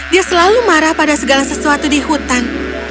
dia selalu marah pada segala sesuatu di hutan